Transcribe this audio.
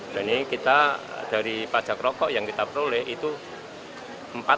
dan ini kita dari pajak rokok yang kita peroleh itu rp empat ratus